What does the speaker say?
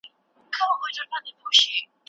بیا د ماشوم له خوږې ژبې نه وا وا راځي